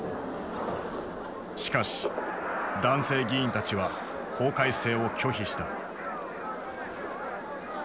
しかし男性議員たちは法改正を拒否した。